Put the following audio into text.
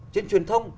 trên truyền thông